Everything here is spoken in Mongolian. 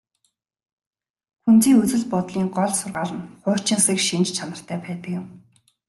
Күнзийн үзэл бодлын гол сургаал нь хуучинсаг шинж чанартай байдаг юм.